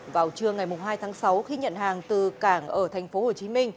vào trưa ngày hai tháng sáu khi nhận hàng từ cảng ở tp hcm